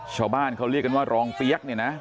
ชาวบ้านเขาเรียกกันว่ารองเปี๊ยกเนี่ยนะ